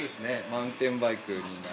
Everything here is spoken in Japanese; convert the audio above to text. マウンテンバイクになります。